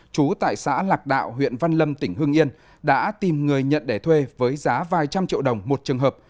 chú tại xã lạc đạo huyện văn lâm tỉnh hưng yên đã tìm người nhận để thuê với giá vài trăm triệu đồng một trường hợp